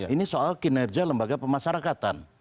ini soal kinerja lembaga pemasarakatan